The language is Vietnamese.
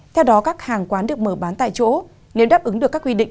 theo đó các hàng quán được mở bán tại chỗ nếu đáp ứng được các quy định